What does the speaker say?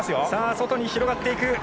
外に広がっていく。